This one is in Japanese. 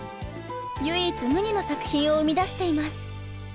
唯一無二の作品を生み出しています。